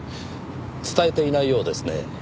伝えていないようですね。